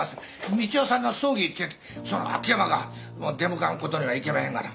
道夫さんの葬儀ってその秋山が出向かわんことにはいけまへんがな。